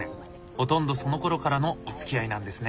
ほとんどそのころからのおつきあいなんですね。